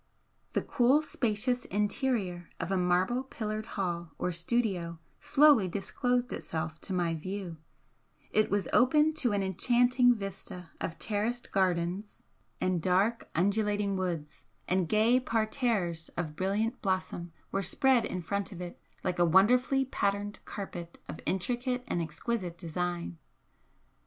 The cool, spacious interior of a marble pillared hall or studio slowly disclosed itself to my view it was open to an enchanting vista of terraced gardens and dark undulating woods, and gay parterres of brilliant blossom were spread in front of it like a wonderfully patterned carpet of intricate and exquisite design.